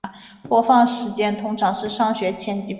播放时间通常是上学前及放学后。